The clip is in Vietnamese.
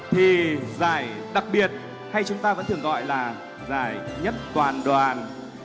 thì giải đặc biệt hay chúng ta vẫn thường gọi là giải nhất toàn đoàn